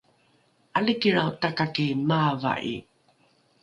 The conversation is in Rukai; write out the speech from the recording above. ’alikilrao takaki maava’i